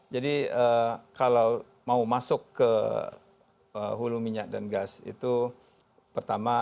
jadi kalau mau masuk ke hulu minyak dan gas itu pertama